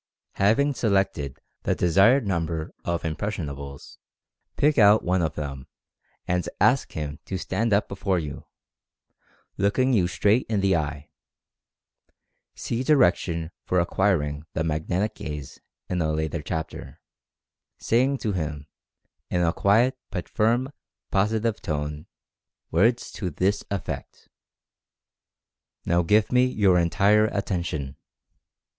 Having selected the desired number of "impression able 9," pick out one of them, and ask him to stand up before you, looking you straight in the eye (see di rection for acquiring the "Magnetic Gaze" in a later chapter), saying to him, in a quiet but firm, positive tone words to this effect: "Now give me your entire attention.